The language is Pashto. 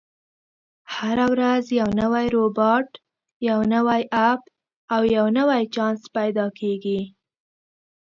هره ورځ یو نوی روباټ، یو نوی اپ، او یو نوی چانس پیدا کېږي.